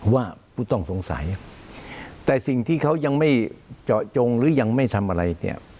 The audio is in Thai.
ว่าผู้ต้องสงสัยแต่สิ่งที่เขายังไม่เจาะจงหรือยังไม่ทำอะไรเนี่ย